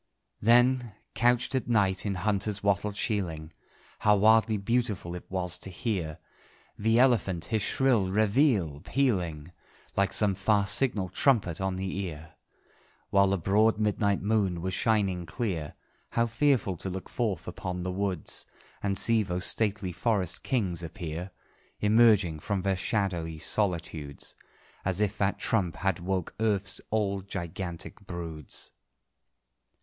Then, couched at night in hunter's wattled sheiling, How wildly beautiful it was to hear The elephant his shrill réveillé pealing, Like some far signal trumpet on the ear! While the broad midnight moon was shining clear, How fearful to look forth upon the woods, And see those stately forest kings appear, Emerging from their shadowy solitudes As if that trump had woke Earth's old gigantic broods!